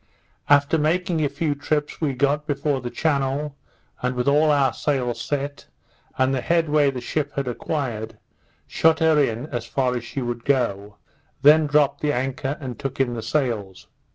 After making a few trips, we got before the channel, and with all our sails set, and the head way the ship had acquired, shut her in as far as she would go; then dropped the anchor, and took in the sails.